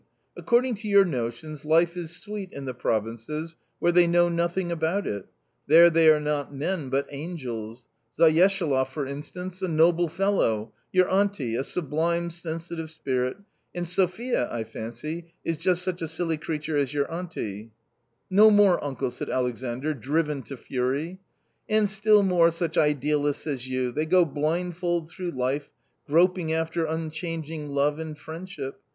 According to your notions life is sweet in the provinces, where they know nothing about it — there they are not men, but angels : Zayeshaloff for instance — a noble fellow ; your auntie — a sublime sensitive spirit, and Sophia, I fancy, is just such a silly creature as your auntie. " No more, uncle !" said Alexandr driven to fury. " And still more such idealists as you : they go blindfold through life, groping afteFmicrianging love and friendship.